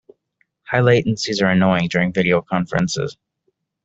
High latencies are annoying during video conferences.